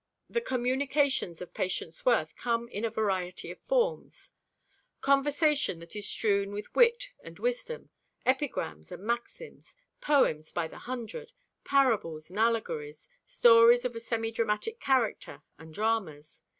The communications of Patience Worth come in a variety of forms: Conversation that is strewn with wit and wisdom, epigrams and maxims; poems by the hundred; parables and allegories; stories of a semi dramatic character, and dramas.